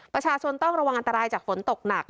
ประชาชนต้องระวังอันตรายจากฝนตกหนัก